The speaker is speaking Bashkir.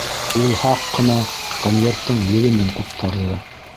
Ул һаҡ ҡына конверттың елемен ҡуптарҙы.